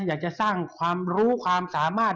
อยากจะสร้างความรู้ความสามารถ